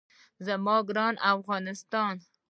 زما ګران افغانستان.